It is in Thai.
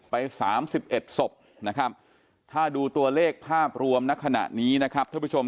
ไปสามสิบเอ็ดศพนะครับถ้าดูตัวเลขภาพรวมณขณะนี้นะครับท่านผู้ชม